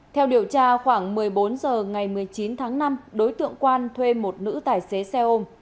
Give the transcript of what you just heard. theo điều tra khoảng một mươi bốn h ngày một mươi chín tháng năm đối tượng quan thuê một nữ tài xế xe ôm